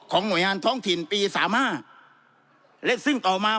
หน่วยงานท้องถิ่นปีสามห้าและซึ่งต่อมา